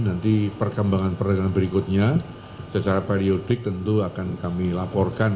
nanti perkembangan perkembangan berikutnya secara periodik tentu akan kami laporkan